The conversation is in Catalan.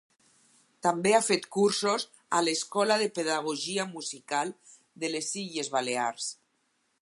També ha fet cursos a l'Escola de Pedagogia Musical de les Illes Balears.